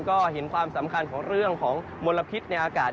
ก็เห็นความสำคัญของเรื่องของมลพิษในอากาศ